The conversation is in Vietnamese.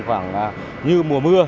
khoảng như mùa mưa